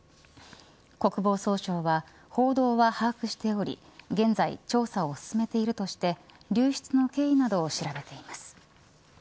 国防総省は報道は把握しており現在、調査を進めているとして流出の経緯などを調べています。